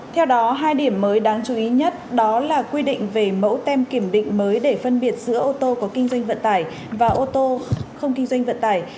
theo đó hai điểm mới đáng chú ý nhất đó là quy định về mẫu tem kiểm định mới để phân biệt giữa ô tô có kinh doanh vận tải và ô tô không kinh doanh vận tải